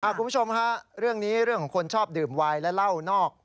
คุณผู้ชมฮะเรื่องนี้เรื่องของคนชอบดื่มไวน์และเหล้านอก